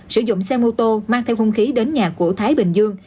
sử dụng xe mô tô mang theo hung khí đến nhà của thái bình dương